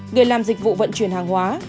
người làm dịch vụ vận chuyển hàng hóa